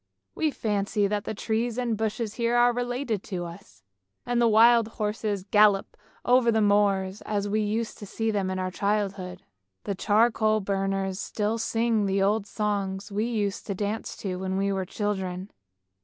We fancy that the trees and bushes here are related to us; and the wild horses gallop over the moors, as we used to see them in our childhood. The charcoal burners still sing the old songs we used to dance to when we were children.